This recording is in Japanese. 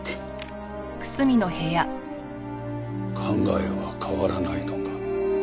考えは変わらないのか？